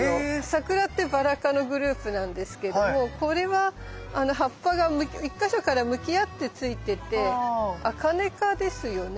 サクラってバラ科のグループなんですけれどもこれは葉っぱが１か所から向き合ってついててアカネ科ですよね。